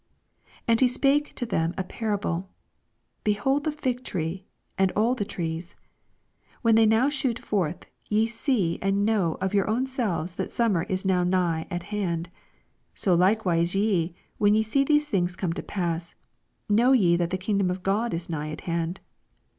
29 And he spake to them a parable ; Behold the fig tree, and all the trees ; 30 When they^ now shoot forth, ye see and know of your own selves that summer is now nigh at hand. 81 So likewise ye, when ye see these things come to pass, know ye that the kingdom of God is nigh at hand.